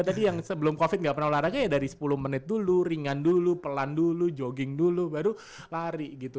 tadi yang sebelum covid nggak pernah olahraga ya dari sepuluh menit dulu ringan dulu pelan dulu jogging dulu baru lari gitu